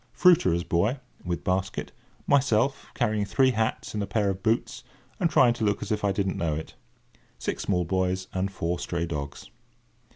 Fruiterer's boy, with basket. Myself, carrying three hats and a pair of boots, and trying to look as if I didn't know it. Six small boys, and four stray dogs.